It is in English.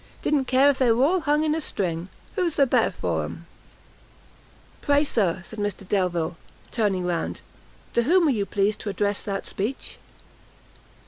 didn't care if they were all hung in a string. Who's the better for 'em?' "Pray, Sir," cried Mr Delvile, turning round, "to whom were you pleased to address that speech?"